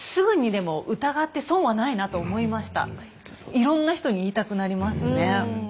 いろんな人に言いたくなりますね。